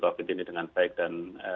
covid ini dengan baik dan